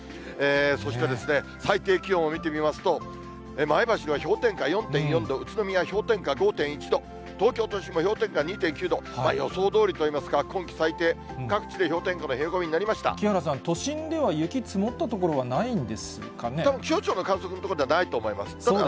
そして最低気温を見てみますと、前橋は氷点下４．４度、宇都宮氷点下５．１度、東京都心も氷点下２．９度、予想どおりといいますか、今季最低、各地で氷点下の冷木原さん、都心では雪積もった所はないんですかね。